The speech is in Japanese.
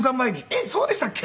「えっそうでしたっけ？」